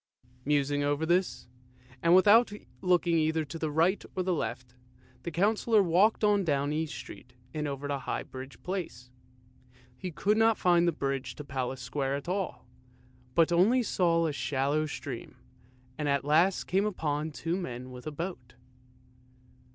Musing over this, and without looking either to the right or the left, the Councillor walked on down East Street and over the High Bridge Place. He could not find the bridge to Palace Square at all, but only saw a shallow stream, and at last came upon two men with a boat.